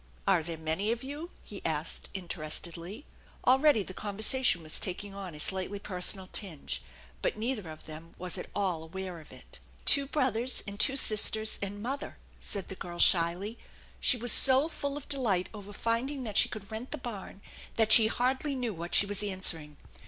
"Are there many of you ?" he asked interestedly. Already the conversation was taking on a slightly personal tinge, but neither of them was at all aware of it. 5* THE ENCHANTED BARN " Two brothers and two sisters and mother," said the girl ahjrly. She was so full of delight over finding that she could rent the barn that she hardly knew what she was answering.